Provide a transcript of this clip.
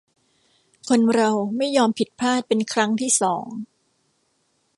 คนเราไม่ยอมผิดพลาดเป็นครั้งที่สอง